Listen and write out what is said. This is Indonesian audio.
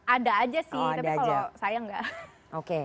ada aja sih tapi kalau saya nggak oke